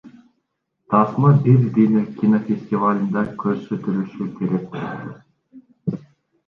Тасма Бир Дүйнө кинофестивалында көрсөтүлүшү керек болчу.